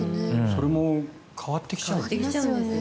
それも変わってきちゃった。